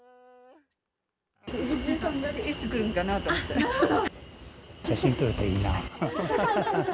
藤井さんがいつ来るのかなと写真撮れたらいいな。